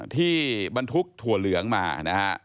ที่บรรทุกถั่วเหลืองมานะครับ